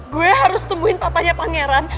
gue harus temuin papahnya pangeran